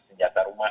senjata rumahan lah